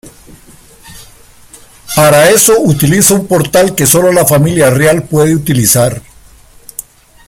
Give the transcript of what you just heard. Para eso utiliza un portal que solo la familia real puede utilizar.